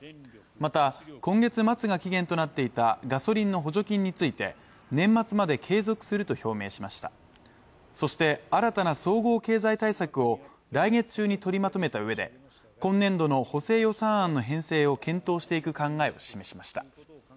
また今月末が期限となっていたガソリンの補助金について年末まで継続すると表明しましたそして新たな総合経済対策を来月中に取りまとめたうえで今年度の補正予算案の編成を検討していく考えを示しました